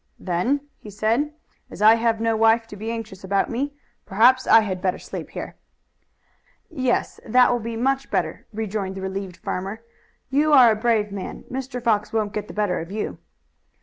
"Then," he said, "as I have no wife to be anxious about me, perhaps I had better sleep here." "Yes, that will be much better," rejoined the relieved farmer. "You are a brave man. Mr. Fox won't get the better of you."